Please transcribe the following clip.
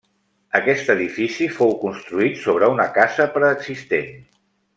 Aquest edifici fou construït sobre una casa preexistent.